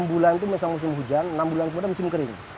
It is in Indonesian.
enam bulan itu masa musim hujan enam bulan kemudian musim kering